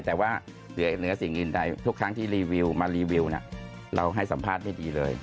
แต่ว่าเหนือสิ่งอื่นใดทุกครั้งที่รีวิวมารีวิวเราให้สัมภาษณ์ได้ดีเลย